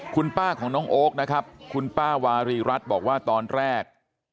คุณป้าของน้องโอ๊คนะครับคุณป้าวารีรัฐบอกว่าตอนแรก